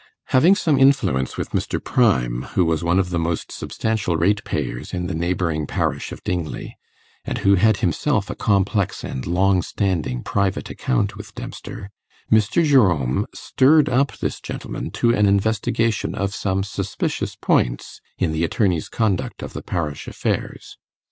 Having some influence with Mr. Pryme, who was one of the most substantial ratepayers in the neighbouring parish of Dingley, and who had himself a complex and long standing private account with Dempster, Mr. Jerome stirred up this gentleman to an investigation of some suspicious points in the attorney's conduct of the parish affairs.